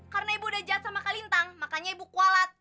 karena ibu udah jahat sama kak lintang makanya ibu kualat